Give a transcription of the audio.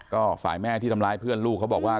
ก็ฝ่ายแม่ที่ทำร้ายเพื่อนลูกเขาบอกว่า